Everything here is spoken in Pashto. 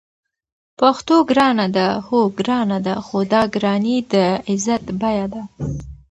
پښتو ګرانه ده؟ هو، ګرانه ده؛ خو دا ګرانی د عزت بیه ده